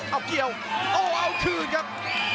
เอาเกลียวอูยยยยยยยยยยยยยยยเผ้าขืนครับ